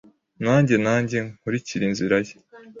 Nanjye nanjye nkurikire inzira ye